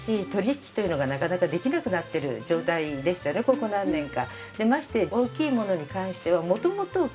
ここ何年か。